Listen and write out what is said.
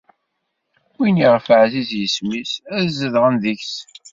Wid iɣef ɛziz yisem-is ad zedɣen deg-s.